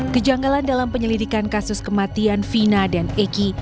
kejanggalan dalam penyelidikan kasus kematian fina dan egy